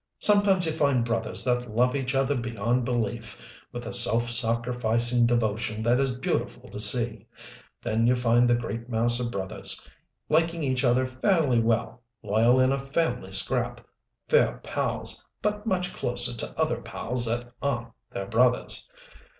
Sometimes you find brothers that love each other beyond belief, with a self sacrificing devotion that is beautiful to see. Then you find the great mass of brothers liking each other fairly well, loyal in a family scrap, fair pals but much closer to other pals that aren't their brothers.